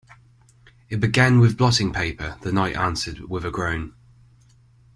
‘It began with blotting paper,’ the Knight answered with a groan.